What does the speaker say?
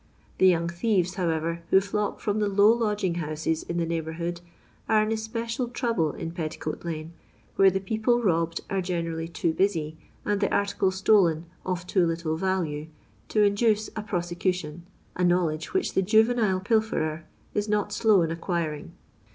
The young thieres, however, who flock from the low lodging houses in the neighbour hood, are an especial trouble in Petticoat lane, where the people robbed are generally too busy, and the article stolen of too little ralue, to induce a prosecution — a knowledge which the juTenile pilferer is not slow in acquiring.